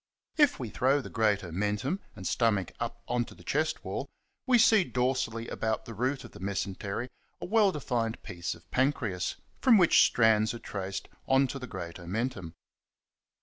If we throw the great omen tum and stomach up on to the chest wall we see dorsally about the root of the mesentery a well defined piece of pancreas, from which strands are traced on to the great omentum.